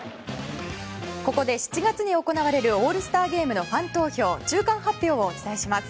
ここで７月に行われるオールスターゲームのファン投票中間発表をお伝えします。